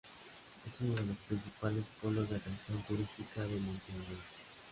Es uno de los principales polos de atracción turística de Montevideo.